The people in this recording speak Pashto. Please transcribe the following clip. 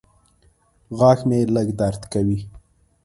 غاښ مې لږ درد کوي.